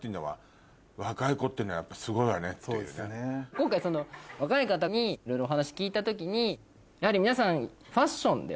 今回若い方にいろいろお話聞いた時にやはり皆さん。